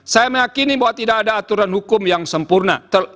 saya meyakini bahwa tidak ada aturan hukum yang sempurna